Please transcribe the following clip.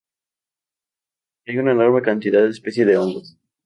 Hay una enorme cantidad de especies de hongos.